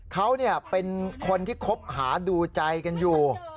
เขาเป็นคนที่คบหาดูใจกันอยู่